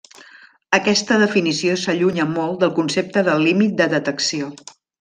Aquesta definició s’allunya molt del concepte de límit de detecció.